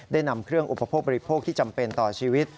นำเครื่องอุปโภคบริโภคที่จำเป็นต่อชีวิต